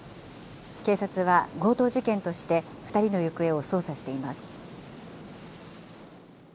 警察は強盗事件として２人の行方を捜査しています。